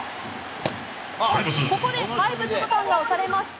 ここで怪物ボタンが押されました。